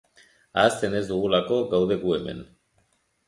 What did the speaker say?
Ahazten ez dugulako gaude gu hemen.